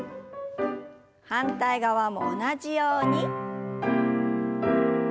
反対側も同じように。